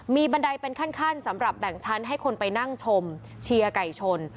มีบันไดเป็นขั้นสำหรับแบ่งชั้นให้คนไปนั่งชมเชียร์ไก่ชน